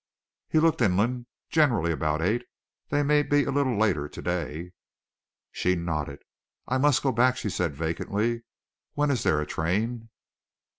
He looked inland. "Generally about eight. They may be a little later to day." She nodded. "I must go back," she said vacantly. "When is there a train?"